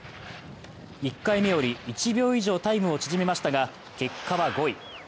１回目より１秒以上タイムを縮めましたが結果は５位。